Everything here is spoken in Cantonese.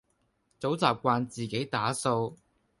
早習慣自己打掃